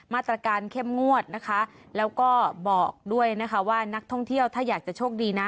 มาตรการเข้มงวดนะคะแล้วก็บอกด้วยนะคะว่านักท่องเที่ยวถ้าอยากจะโชคดีนะ